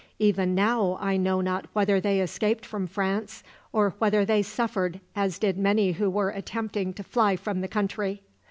Even now I know not whether they escaped from France, or whether they suffered as did many who were attempting to fly from the country.